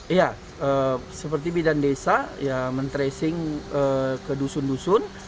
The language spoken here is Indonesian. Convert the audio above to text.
iya seperti bidan desa ya mentresing ke dusun dusun